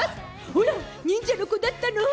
オラ、忍者の子だったの？